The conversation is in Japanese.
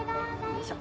よいしょ